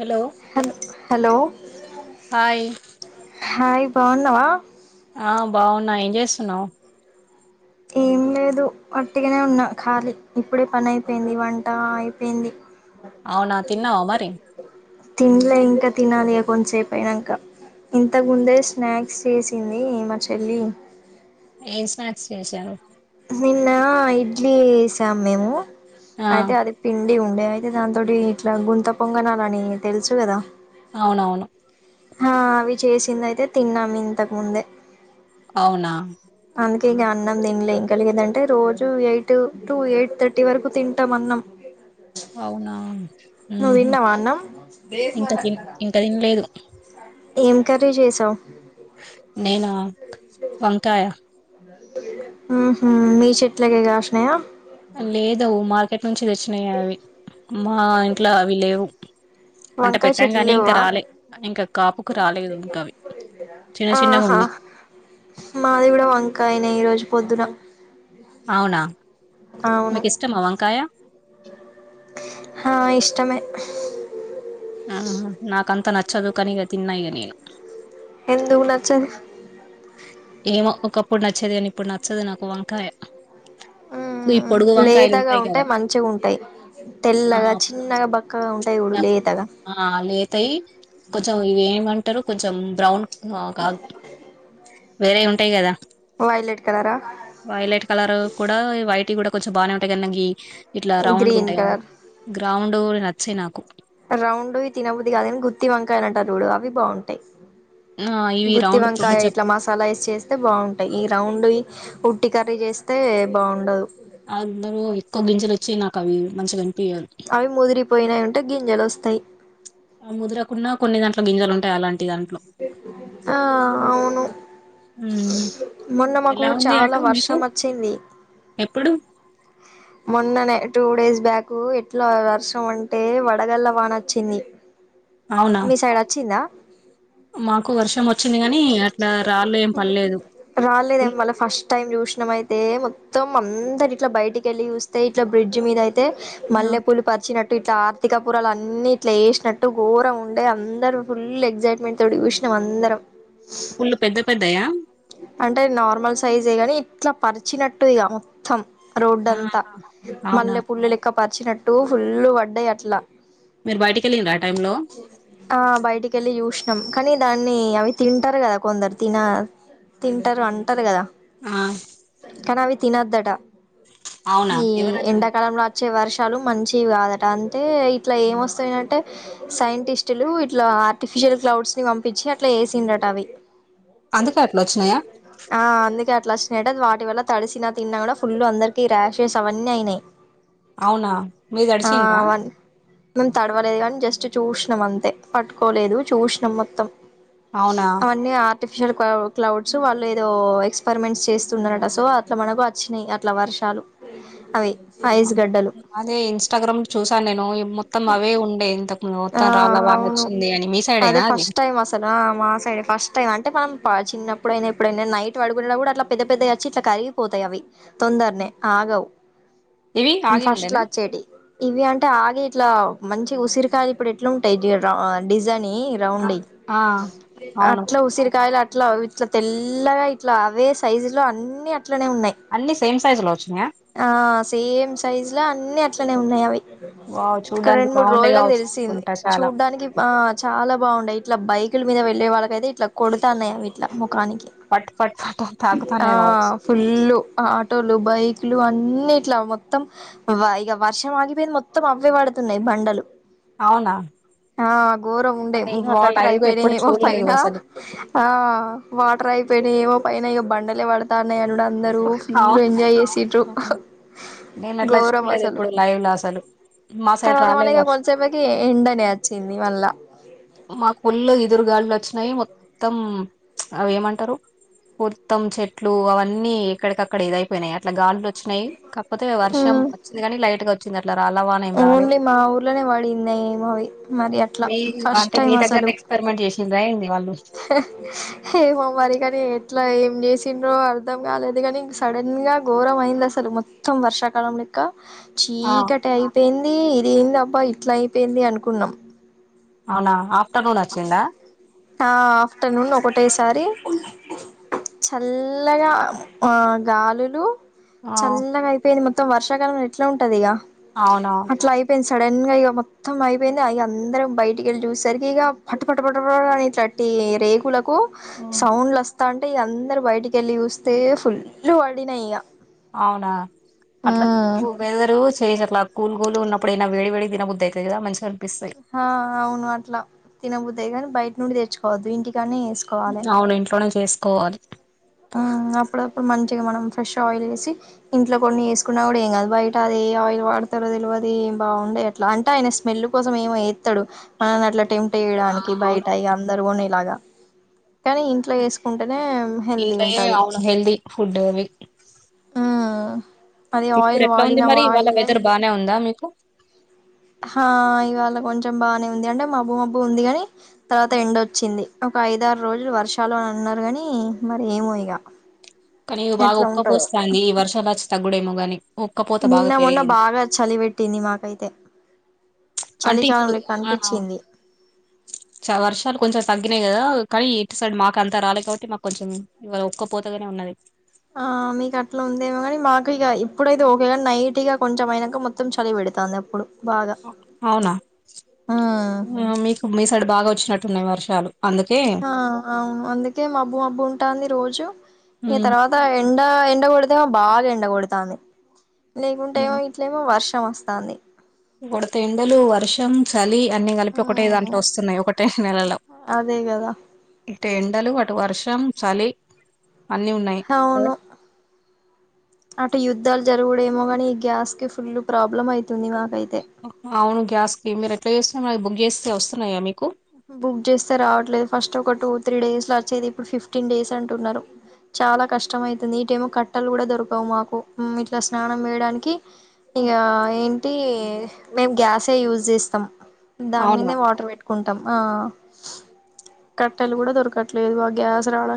Hello హల్ hello hi hi బాగున్నావా ఆ బావున్నా ఏం చేస్తున్నావు్ ఏం లేదు అట్టిగానే ఉన్నా ఖాళీ ఇప్పుడే పని అయిపోయింది వంట అయిపోయింది అవునా తిన్నావా మరి తిన్లే ఇంకా తినాలి కొంతసేపు అయినాంక ఇంతముందే స్నాక్స్ చేసింది మా చెల్లి ఏం స్నాక్స్ చేశారు నిన్న ఇడ్లీ వేసాము మీము ఆ అయితే అది పిండి ఉండే అయితే దాని తోటి ఇట్లా గుంత పొంగనాలని తెలుసు కదా అవునవును హా అవి చేసింది అయితే తిన్నాము ఇంతకు ముందే అవునా అందుకే ఇంకా అన్నం తినలే ఇంకా లేదంటే రోజు ఎయిట్ టు ఎయిట్ థర్టీ వరకు తింటాం అన్నం అవునా నువ్వు ఉహు తిన్నావా అన్నం ఇంకా తిన్ ఇంకా తినలేదు ఏం కర్రీ చేసావు నేనా వంకాయ హుహు మీ చెట్లకే కాసినయ లేదు మాక్ నుంచి తెచ్చినాయి అవి మా ఇంట్లో అవి లేవు అంటే వంకాయ పెట్టాం చెట్లు గాని ఇంకా లేవవా రాలే ఇంకా కాపుకు రాలేదు ఇంకా అవి చిన్న చిన్నగా ఆహా ఉన్నాయి మాది కూడా వంకాయనే ఈ రోజు పొద్దున అవునా అవును మీకు ఇష్టమా వంకాయ ఆహా ఇష్టమే ఆహా నాకు అంత నచ్చదు కానిగా తిన్న ఇగ నేను ఎందుకు నచ్చద్ ఏమో ఒకప్పుడు నచ్చేది కాని ఇప్పుడు నచ్చదు నాకు వంకాయ ఈ పొడుగు ఉ వంకాయలు లేతగా ఉంటాయి ఉంటే కదా మంచిగా ఉంటాయి ఆ తెల్లగా చిన్నగా బక్కగా ఉంటాయి చూడు నాకు లేతగా ఆ లేతయి కొంచెం ఇవి ఏమంటారు కొంచెం బ్రౌన్ ఆ కాదు వేరే ఉంటాయి కదా వైలెట్ కలరా వైలైట్ కలర్ కూడా వైట్ కూడా కొంచెం బాగానే ఉంటాయి గానీ గి ఇట్లా రౌండ్ గా గ్రీన్ ఉంటాయి కదా కలర్ గ్రౌండ్ ో నచ్చే నాకు రౌండ్వి తినబద్ది కాదుగానీ గుత్తి వంకాయలంటారు చూడు అవి బాగుంటాయి ఆ ఇవి గుత్తి రౌండ్ వంకాయ కొంచెం ఇట్లా మసాలా వేస్ చేస్తే బాగుంటాయి ఈ రౌండ్ ఇట్టి కర్రీ చేస్తే బాగుండదు అందలో ఎక్కువ గింజలు వచ్చి నాకు అవి మంచి గంజ అవి ముదిరి పోయినాయి ఉంటే గింజలు వస్తాయి ఆ ముదర్రకున్న కొన్ని దాంట్ల గింజలు ఉంటాయి అలాంటిదా ఆ అవును ఉమ్ మొన్న మాకు ఎలా ఉంది చాలా అటు మీకు వర్షం వచ్చింది ఎప్పుడు మొన్ననే టూ డేస్ బ్యాకు ఎట్లా వర్షం అంటే వడగల్ల వానొచ్చింది అవునా మీ సైడ్ వచ్చిందా మాకు వర్షం వచ్చింది కాని అట్లా రాళ్ళు ఏం పడలేదు రాలేదే మళ ఫస్ట్ టైం చూసినయితే మొత్తం మ అందరు ఇట్లా బయటికి వెళ్ళి చూస్తే ఇట్లా బ్రిడ్జ్ మీద అయితే ఆ మల్లె పూలు పరిచినట్టు ఇట్లా ఆర్థికపురాలు అన్నిీ ఇట్లా వేసినట్టుఘోర ఉండే అందరం ఫుల్ ఎగ్జైట్మెంట్ తోటి చూసినాం అందరం పుల్లు పెద్ద పెద్దయా అంటే నార్మల్ సైజే గాని ఇట్లా పరిచినట్టుదిగా మొత్తం రోడ్ ఆ అంతా అవునా మల్లెపూలు లెక్క పరిచినట్టు ఫుల్ వడ్డాయి అట్లా మీరు బయటికి వెళ్ళిండ్రా ఆ టైంలో ఆ బయటికి వెళ్ళి చూసినాం కానీ దాన్ని అవి తింటారు కదా కొందరు తిన తింటారు అంటారు కదా ఆ కనీ అవి తినొద్దు అట అవునా ఈ ఎవరన్నారు ఎండాకాలంలో వచ్చే వర్షం చ మంచివి కాదట అంటే ఇట్లా ఏమ వస్తాయింటే సైంటిస్టులు ఇట్లా ఆర్టిఫిషియల్ క్లౌడ్స్ పంపించి అట్లా సి రటవి అందుకే అట్లా వచ్చినాయా అట్లాిన వాటి వల్ల తడిసిన తిన్నా కూడా ఫుల్లు అందరికి రాశేష్ అవన్నీ అయినాయి అవునా మీరు ఆ తడిసిన్ రా అవన్నీ మేము తడవలేదు కానీ జస్ట్ చూసినాం అంతే పట్టుకోలేదు చూసినాం మొత్తం అవునా అవన్నీ ఆర్టిఫిషియల్ క్లౌడ్స్ వాళ్ళు ఏదో ఎక్స్పెరిమెంట్స్ చేస్తున్నారట సో అట్లా మనకు వచ్చినాయి అట్లా వర్షాలు అవి ఐస్ గడ్డలు అదే ఇన్స్టాగ్రామ్ చూసాను నేను మొత్తం అవే ఉండేవి ఆ అవును మీ అదే సైడేనా అది ఫస్ట్ టైమ్ అసలు మా సైడి ఫస్ట్ టై అంటే మనం చిన్నప్పుడయినా ఎప్పుడైనా నైట్ పడుకు కూడా అట్లా పెద్ద పెద్దగా వచ్చి ఇట్లా కరిగిపోతాయి అవి తొందరనే ఆగవు ఇవి ఆగి ఫస్ట్ ఉండేనా వచ్చేటి ఇవి అంటే ఆగ ఇట్లా మంచి ఉసిరికాయలు ఎట్లా టైట్ డిజైన్ ఆ రౌండ్ ఇ ఆ, అవును అట్లా ఉసిరికాయ ఇట్లా ఇట్లా తెల్లగా ఇట్లా అవే సైజు లో అన్ని అట్లానే ఉన్నాయి అన్ని సేమ్ సైజు లో వచ్చినాయా సేమ్ సైజ్ ఇట్లా అన్ని అట్లనే ఉన్నాయి అవి వావ్ చూడ్డానికి కరెండు మూడు బాగుండే రోజులగ తె కావచ్చు అనుకుంటా చాలా చూడ్డానికి చాలా బాగుండయి ఇట్లా బైకుల మీద వెళ్ళలే వాళ్ళక అైతే ఇట్లా కొడుతుాన్నాయివి ఇట్లా ముఖానికి పట్ పట్ పట్ అని ఆ తాకుతానే కావచ్చు ఫుల్లు ఆటోలు బైక్లు అన్నీ న్ని ఇట్లా మొత్తం ఇక వర్షం ఆగిపోయింది మొత్తం అవ్వవి పడుతున్నాయి బండలు అవునా ఆ ఘోరం ఉండే నేను అట్లా వాటర్ లైవ్ గా అయిపోయినా ఎప్పుడు ఏమో చూడలేదు పైన అసలు ఆ వాటర్ అయిపోయినా ఏమో పైన ఇగ బండలే పడతాన్నా అవునా నేను అట్లా ఘోరం చూడలేదు అసలు ఇప్పుడు లైవ్ లో అసలు మాసైటు రాలేదు వర్షం ఎండనేచ్చినిీ మల్ల మా పళ్ళు ఇది దుర్గాళ్లు వచ్చినాయి మొత్తం అవి ఏమంటారు మోత్తం చెట్లు అవన్నీ ఎక్కడికక్కడ ఇదయిపోయినాయి అట్లా గాలిలో వచ్చినాయి కాకపోతే వర్షం వచ్చింది కానీ లైట్ గా వచ్చ ఓన్లీ మా ఊర్లోనే వాడింది ఏమో అవి మరి అట్లా మీ ఫస్ట్ అంటే టైం మీ దగ్గర అసలు ఎక్స్పెరిమెంట్ చేరిందా ంది వా ఏమో మరి కానీ ఎట్లా ఏం చేసి ఇన్రొలు అర్ధం కాలేదు కానీ సడన్ గా ఘోరమ అయింది అసలు మొత్తం వర్షాకాలం క్క ఆ చీక అ టయి పన్ ఇది అయింది అబా ఇట్లా అయిపోయింది అనుకున్నాం అవునా ట్ట నూన వచ్చిందా ఆ ఆఫ్టర్నూన్ ఒకటేసారి చల్లగా ఆ గాలులు ఆ చల్గాైపోయింది మ మొత్తం వర్షకాలంలో ఎట్లా ఉంటది ఇగ అవునవును అట్లా అయిపోయింది సడన్ ఇక మొత్తం అయిపోయింది అయి అందరం బయటికిళ్ళి చూసరికి ఇక ఫట్ పట్ పట అని ఇట్లట్టి రేకులకు కు సౌండ్లస్త అంటే ఇ అందరు బయటికెళ్ళి చూస్తే ఫుల్ వడినాయి ఇగ అవునా అట్లా ఒక అయిదరుచ్ చేస్ అట్లా కూల్ కూల్ గా ఉన్నప్పుడయినా వేడి వేడిగా తినబుద్దయితది ఇగ మంచి ఆ అవును అట్లా తినబుద్దా కాని బయటి నుండి తెచ్చుకోవద్దు ఇంటికి అవును ఇంట్లోనే చేస్ కోవాలి మ్ అప్పుడప్పుడు మంచిగా మనం ఫ్రెష్ ఆయిల్ చేసి ఇంట్లో కొన్ని వేసుకున్నా కూడా ఏం కాదు బయట అది ఏ ఆయిల్ వాడతారో తెల్వదు ఏం బాగుండే అట్లా అంటే ఆయన స్మెల్ కోసం ఏమో ఎత్తడు మనని అట్లా టెం ఆ ట్టేయడానికి బయట అవును ఇగ అందరు కొనేలాగా కానీ ఇంట్లో వేసుకుంటేనే ఇంట్లోయే అవును హెల్ది ఫుడ్ అవి అది ఇప్పుడు ఆయిల్ ఎట్లా ఉంది వాడిన మరి ఇవాళ ఆయిలే వెదర్ బానే ఉందా మీకు హా ఇవాళ కొంచెం బానే ఉంది అంటే మబ్బు మబ్బు ఉంది కాని తర్వాత ఎండోచ్చింది ఒక ఐదారు రోజులు వర్షాలు అని అన్నారు గాని మరి ఏమో ఇగ కానీ ఈ బాగా ఎట్లా ఉంటదో వుక్కపోస్తాంది ఈ వర్షాలు బాచ్ తగ్గుడేమో కానీ నిన్న మొన్న బాగా చలి పెట్టింది మాకైతే అంటే చలికాలం ఇప్పుడు లెక్క ఆ అనిపించింది చ వర్షాలు కొంచం తగ్గినాయి కదా కానీ ఇటు సైడ్ మాకు అంత రాలేదు కాబట్టి మాకు కొంచెం ఇవాళ ఒక్కపోతగానే ఉన్నది ఆ మీకు అట్లా ఉందిమో కాని మాకు ఇక ఇప్పుడైతే ఒకేగా నైట్గా కొంచెం అయినాక మొత్తం చలి పెడుతుంది అప్పుడు బాగా అవునా ఉమ్ మీకు మీ సైడ్ బాగా వచ్చి వున్నటున్నాయి వర్షాలు అందుకే ఆ అవును అందుకే మబ్బు మబ్బు ఉంటాంది రోజు ఆ ఈ తర్వాత ఎం బాగా ఎండ కొడుత బాగా ఎండ కొడుతాంది లేకుంటే ఏమో ఇట్లేమో వర్షం వస్త కానీ గుడత ఎండలు వర్షం చలి అన్నీ కలిపి ఒకటే మ్మ్ దాంట్లో వస్తున్నాయి ఒకటే నెలలో అదే కదా టు ఎండలు అటు వర్షం చలి అన్ని ఉన్నాయి అవును అటు యుద్ధాలు జరుగుడేమో కాని గ్యాస్ కి ఫుల్ ప్రాబ్లమ్ అయింది అవును గ్యాస్ కీ మీరు యెట్లా చేస్తున్నారు గ్యాస్ వస్తున్నాయా మీకు బుక్ చేస్తే రావట్లేదు ఫస్ట్ ఒక టూ త్రీ డేస్ లో వచ్చేది ఇప్పుడు ఫిఫ్టీన్ డేస్ అంటున్నారు చాలా కష్టం అవుతుంది ఇటేమో కట్టలు కూడా దొరికావు మాకు ఇట్లా స్నానం వేయడానికి ఇకా ఏంటి మేం గ్యాసే యూజ్ చేస్తాం దాని అవునా మీదే వాటర్ పెట్టుకుంట ఆ కట్టలు కూడా దోరకట్లా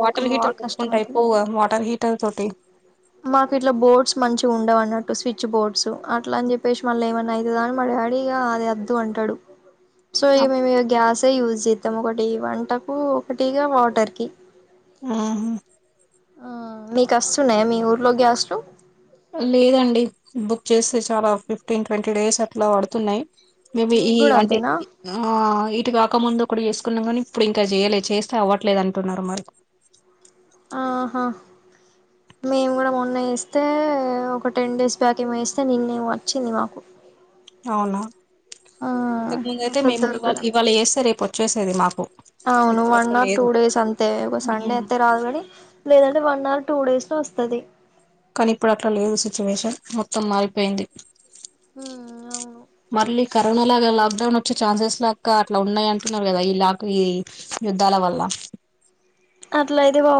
వాటర్ హీటర్ కొనుకుంటే అయిపోయే కదా వాటర్ హీటర్ తోటి మాకు ఇట్లా బోర్డ్స్ మంచి ఉండవు అన్నట్టు స్విచ్ బోర్డ్స్ అట్లా అని చెప్పేసి మళ్ళీ ఏమన్నా అవుతదని మా డాడీ వద్దు అంటాడు సో మే గ్యాస్ యూజ్ చేస్తాం ఒకటి వంటకు ఒకటిగా వాటర్ కి ఆ మీకు వస్తుందా మీ ఊర్లో గ్యాస్లు లేదండి బుక్ చేస్తే చాలా ఫిఫ్టీన్ ట్వంటీ డేస్ అట్లా పడుతున్నాయి మేబి మీకు ఈ కూడా అంటే అంతేనా ఆ ఇటు కాక ముందు ఒకటి చేసు న్నా కానీ ఇప్పుడు ఇంకా చేయలేదు చేస్తే అవ్వట్లేదు అంటున్నారు మరి ఆహా మేము కూడా మొన్న ఇస్తం తే ఒక టెన్ డేస్ బ్యాక్ ఏమ వేస్తే నిన్నే వచ్చింది మాకు అవునా ఆ ఇంతకు ముందు అయితే అసలు మేము ఇవాళ దొరకడం ఇవాళ చేస్తే రేపు వచ్చేసేది మాకు అవును ఇప్పుడు వన్ అట్లా ఆర్ టూ లేదు డేస్ అంతే ఒక సండే ఉమ్. అయితే రాదు కానీ లేదంటే వన్ ఆర్ టూ డేస్ లో వస్త ప్పదే కానీ ఇప్పుడు అట్లా లేదు సిచ్యువేషన్ మొత్తం మారిపోయింది ఉమ్ అవును మరలి కరోనా లాగా లాక్డౌన్ వచ్చే ఛాన్సెస్ లాకా అట్లా ఉన్నాయి అంటున్నారు కదా ఈ లాక్ ఈ యుద్ధాల వల్ల అట్లయితే బా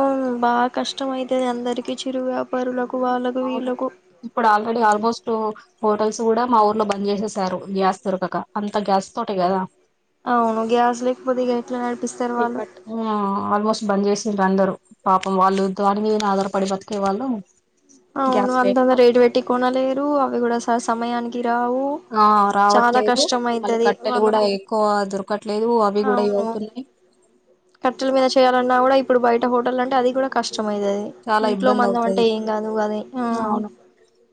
బాగా కష్టం అయితది అందరికిీ చిరు వ్యాపారులు అవును ఇప్పుడు ఆల్రెడీ ఆల్మోస్ట్ హోటల్స్ కూడా మా ఊర్లో బంద్ చేసేసారు గ్యాస్ దొరకక అంత గ్యాస్ తోటే కదా అవును గ్యాస లేెకుపోతే గా లోకేట్ ఆల్మోస్ట్ బంద్ చేస్త చేసా అందరు పాపం వాళ్ళు దాని మీద ఆధారపడి బ్రతికేవాళ్ళు అవును అందరు రేడ్ వేటి కోనాల టు అవి కూడా స సమయానికి రావు ఆ చాలా రావట్లేదు కష్టం మళ్ళీ అయితది కట్టెలు కూడా వాళ్ళకు ఎక్కువ దొరకట్లేదు అవి కూడా అవును ఇవుతున్నాయి కట్టెల మీద చేయాలన్నా కూడా ఇప్పుడు బయట హోటల్ అంటే అది కూడా కష్టం ష్టమవుతుది చాలా ఇంట్లో ఇబ్బంది మందం అంటే అవుతది కాదు అది ఆ అవును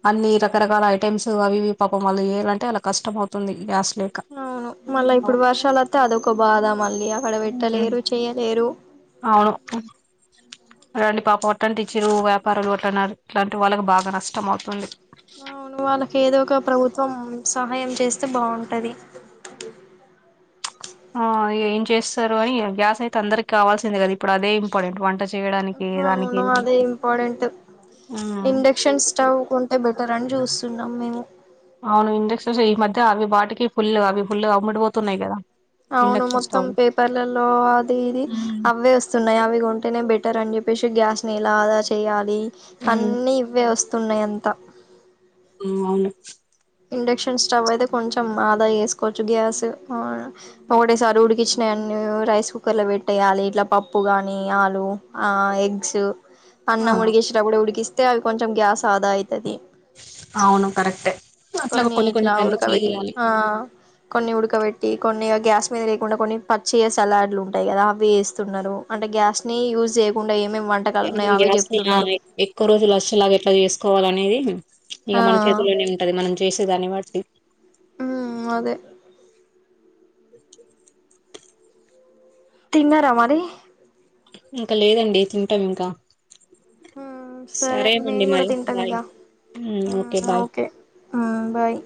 అన్ని రకరకాల చాలా ఐటమ్స్ అవి ఇవి పాపం వల్ల చేయాలంటే అ కష్టం అవుతుంది గ్యాస్ లేక అవును మళ్ళా ఇప్పుడు వర్షాలు వస్తే అది ఒక బాధ ఇగ ఆడ పెట్టలేరు చేయలేరు అవును రండి పాపం అట్ట ఆంటీచిరు వ్యాపారులు అట్లా అట్లాంటి వాళ్లకు వాళ్ళకి బాగా నష్టం అవుతుంది అవును వాళ్ళకి ఏదో ఒక ప్రభుత్వం సహాయం చేస్తే బాగుంటుంది ఆ ఏం చేస్తారు ఏం గ్యాస్ అయితే అందరికి కావాల్సింది కదా ఇప్పుడు అదే ఇంపార్టెంట్ వంట చేయడానికి హ దానికి అవును అదే ఇంపార్టెంట్ ఉమ్ ఇండక్షన్ స్టవ్ కుంటే బెటర్ అని చూస్త తున్నాము మేము అవును ఇండక్షన్స్ ఈ మధ్య అవి వాటికి ఫుల్ అవి ఫుల్ అమ్మడు పోతున్నాయి కదా అవును ఇండక్షన్ మొత్తం స్టవ్ పేపర్లలో అది ఇది ఉమ్ అవే వస్తున్నాయి అవి కొంటేనే బెటర్ అని చెప్పి చెప్పేసి గ్యాస్ ని ఎలా ఆదా చేయాలి ఉమ్ అన్ని ఇవ్వే వస్తా తున్నయంత ఊ అవును ఇండక్షన్ స్టవ్ అయితే కొంచెం ఆదా వేసుకోవచ్చు గ్యాస్ అహ ఒకటేసారి ఉడికించినాయి అన్నీ రైస్ కుక్కర్ లో పెట్టేయాలి ఇట్లా పప్పు కాగాని ఆలు ఆ ఎగ్స్ ఆ అన్నం ఉడికించినప్పుడు ఉడికిస్త అయితే అవి కొంచెం గ్యాస్ ఆదా అయితది అవును కరెక్టే అట్లా కొన్ని ఇట్లా అన్ని ఉడకబెట్టి చేయాలి ఆ కొన్ని ఉడకబెట్టి కొన్ని గ్యాస్ మీద లేకుండా కొన్ని పచ్చియ సలాడ్లు ఉంటాయి కదా అవి వేస్తున్నారు అంటే గ్యాస్ ని యూజ్ చేయకుండా ఏమే మీ ఇగ గ్యాస్ని ఆ ఎక్కువ రోజులుఅసలు ఆగట్లే చే కోవాల అనేది ఇగ ఆ మన చేతిలోనే ఉంటది మనం చేసేదాన్ని బట్టి ఉ అదే [inaudible] తిన్నారా మరి ఇంకా లేదండి తింటాం ఇంకా ఉమ్ సరే సరేనండి మేము కూడా మరి తింటాం బాయ్ ఇక ఓకే బాయ్ ఆహా బాయ్